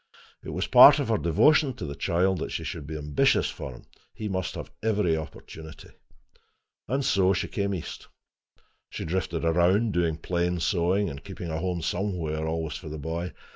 It was a part of her devotion to the child that she should be ambitious for him: he must have every opportunity. And so she came east. She drifted around, doing plain sewing and keeping a home somewhere always for the boy.